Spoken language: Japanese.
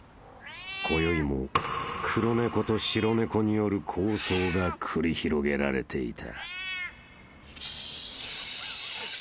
［こよいも黒猫と白猫による抗争が繰り広げられていた］